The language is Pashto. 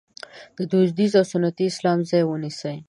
د دودیز او سنتي اسلام ځای ونیسي.